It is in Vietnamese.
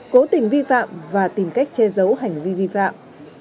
cố tình vi phạm và tìm cách che giấu hành vi vi phạm